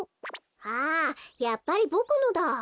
あやっぱりボクのだ。